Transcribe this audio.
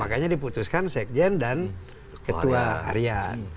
makanya diputuskan sekjen dan ketua harian